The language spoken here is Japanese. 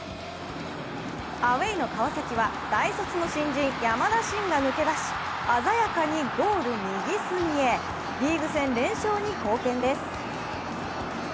アウェーの川崎は大卒の新人山田新が抜け出し、鮮やかにゴール右隅へ、リーグ戦連勝に貢献です。